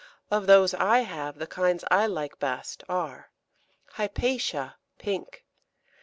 Of those I have, the kinds I like best are Hypatia, pink.